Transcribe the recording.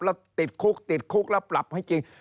แล้วติดคุกติดคุกแล้วปรับให้จริง